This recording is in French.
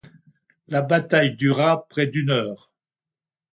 La bataille dura près d'une heure.